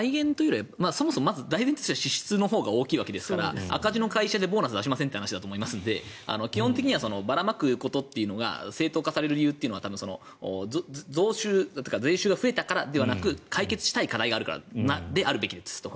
財源というよりは支出のほうが大きいわけですから赤字の会社でボーナス出しませんという話だと思うので基本的にはばらまくことが正当化される理由というのは税収が増えたからではなく解決したい課題があるからですと。